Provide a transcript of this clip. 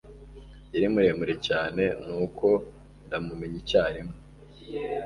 Yari muremure cyane, nuko ndamumenya icyarimwe.